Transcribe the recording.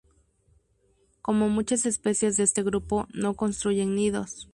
Como muchas especies de este grupo no construyen nidos.